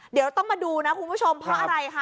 เดี๋ยวต้องมาดูนะคุณผู้ชมเพราะอะไรคะ